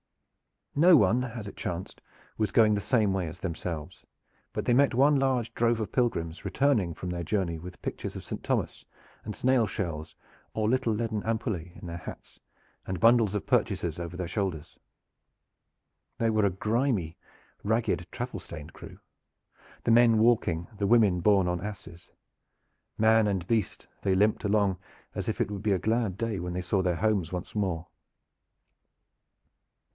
No one, as it chanced, was going the same way as themselves, but they met one large drove of pilgrims returning from their journey with pictures of Saint Thomas and snails' shells or little leaden ampullae in their hats and bundles of purchases over their shoulders. They were a grimy, ragged, travel stained crew, the men walking, the women borne on asses. Man and beast, they limped along as if it would be a glad day when they saw their homes once more.